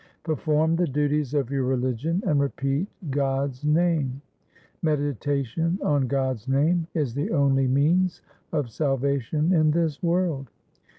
Perform the duties of your religion, and repeat God's name. Meditation on God's name is the only means of sal vation in this world.